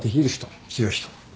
強い人。